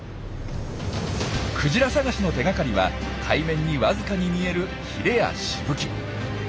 クジラ探しの手がかりは海面にわずかに見えるヒレやしぶき。